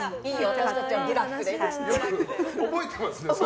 覚えてます？